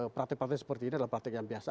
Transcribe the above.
pratik pratik seperti ini adalah pratik yang biasa